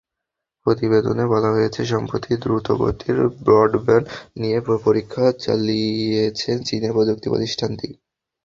প্রতিবেদনে বলা হয়েছে, সম্প্রতি দ্রুতগতির ব্রডব্যান্ড নিয়ে পরীক্ষা চালিয়েছে চীনের প্রযুক্তি প্রতিষ্ঠানটি।